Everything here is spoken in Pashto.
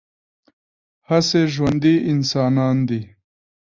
هسې ژوندي انسانان دي